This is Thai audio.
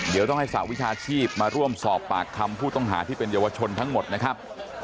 เดี๋ยวต้องให้สหวิชาชีพมาร่วมสอบปากคำผู้ต้องหาที่เป็นเยาวชนทั้งหมดนะครับ